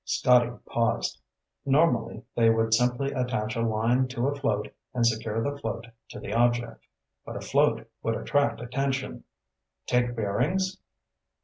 Scotty paused. Normally they would simply attach a line to a float and secure the float to the object. But a float would attract attention. "Take bearings?"